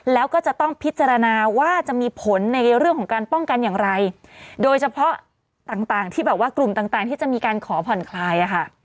แล้วก็จะต้องพิจารณาว่าจะมีผลในเรื่องของการป้องกันอย่างไรโดยเฉพาะต่างที่แบบว่ากลุ่มต่างต่างที่จะมีการขอผ่อนคลายอะค่ะ